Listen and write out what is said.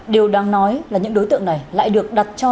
điều đáng nói là những đối tượng này lại được đặt cho